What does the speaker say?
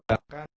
baik terima kasih